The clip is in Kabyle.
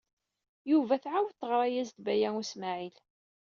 Yuba tɛawed teɣra-as-d Baya U Smaɛil.